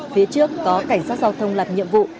phía trước có cảnh sát giao thông làm nhiệm vụ